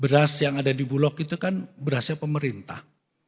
beras yang ada di bulog itu kan berasnya pemerintah